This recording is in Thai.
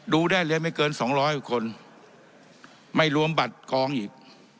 ดูได้เลยไม่เกินสองร้อยกว่าคนไม่รวมบัตรกองอีก